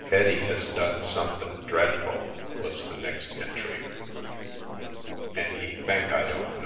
" eddie has don sumthen dredf ull," was the next entry, " an he thenk i dont no.